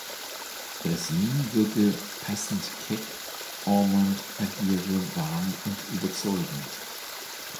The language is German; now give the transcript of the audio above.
Breslin wirke "„passend keck“"; Ormond agiere warm und überzeugend.